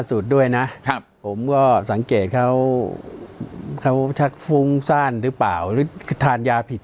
สุดด้วยนะผมก็สังเกตเขาเขาชัดฟุ้งสั้นหรือเปล่าทานยาผิด